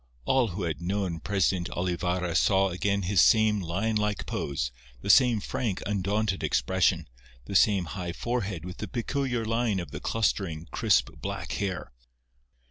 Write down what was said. All who had known President Olivarra saw again his same lion like pose, the same frank, undaunted expression, the same high forehead with the peculiar line of the clustering, crisp black hair.